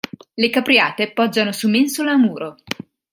Le capriate poggiano su mensole a muro.